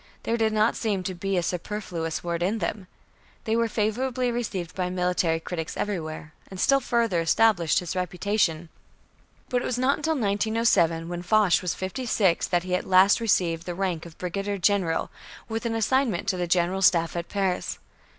There did not seem to be a superfluous word in them. They were favorably received by military critics everywhere, and still further established his reputation. But it was not until 1907, when Foch was fifty six, that he at last received the rank of Brigadier General, with an assignment to the General Staff at Paris.